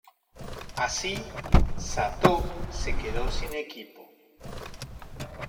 Así, Satō se quedó sin equipo.